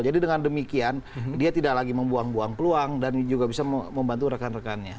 jadi dengan demikian dia tidak lagi membuang buang peluang dan juga bisa membantu rekan rekannya